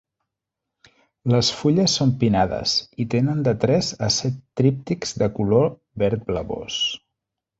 Les fulles són pinades, i tenen de tres a set tríptics de color verd blavós.